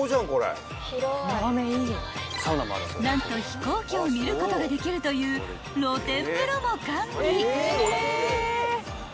［何と飛行機を見ることができるという露天風呂も完備］